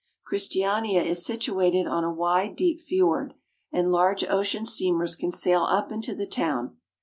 Christiania is situated on a wide, deep fiord, and large ocean steamers can sail up into the town.